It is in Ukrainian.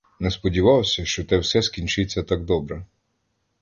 Не сподівався, що те все скінчиться так добре.